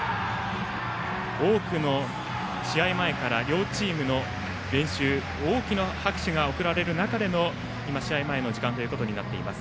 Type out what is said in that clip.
試合前から両チームの練習大きな拍手が送られる中での試合前の時間です。